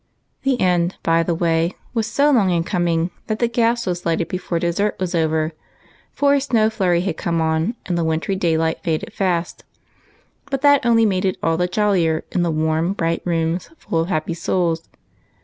The end, by the way, was so long in coming that the gas was lighted before dessert was over, for a snow flurry had come on and the wintry daylight faded fast But that only made it all the jollier in the warm, bright rooms, full of happy souls.